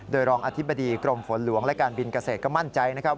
โดยรองอธิบดีกรมฝนหลวงและการบินเกษตรก็มั่นใจนะครับ